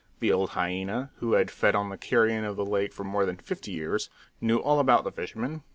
The old hyena, who had fed on the carrion of the lake for more than fifty years, knew all about the fishermen.